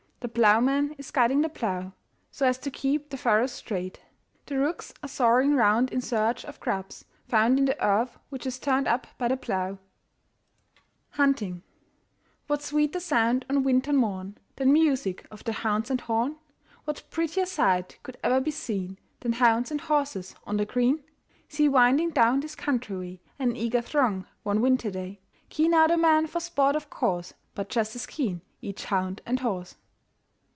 The ploughman is guiding the plough, so as to keep the furrows straight. The rooks are soaring round in search of grubs found in the earth which is turned up by the plough. HUNTING. What sweeter sound on winter morn Than music of the hounds and horn? What prettier sight could e'er be seen Than hounds and horses on the green? See winding down this country way An eager throng one winter day. Keen are the men for sport of course, But just as keen each hound and horse.